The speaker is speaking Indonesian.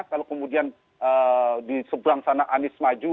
kalau kemudian di seberang sana anies maju